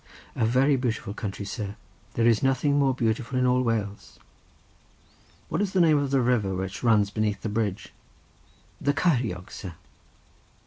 "A very beautiful country, sir; there is none more beautiful in all Wales." "What is the name of the river, which runs beneath the bridge?" "The Ceiriog, sir."